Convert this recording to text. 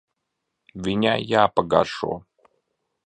Viņai jāpagaršo.